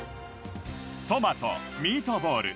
トマトミートボール